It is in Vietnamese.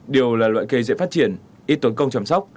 điều là loại cây dễ phát triển ít tốn công chăm sóc